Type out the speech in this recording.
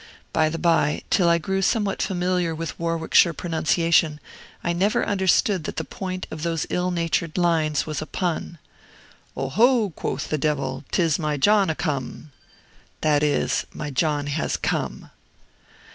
By the by, till I grew somewhat familiar with Warwickshire pronunciation, I never understood that the point of those ill natured lines was a pun. "'Oho!' quoth the Devil, ''t is my John a' Combe'" that is, "My John has come!"